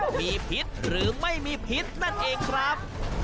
มีพิษหรือไม่มีพิษนั่นเองครับ